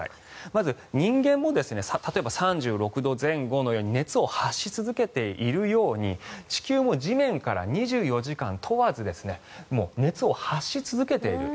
まず人間も例えば３６度前後のように熱を発し続けているように地球も地面から２４時間問わず熱を発し続けている。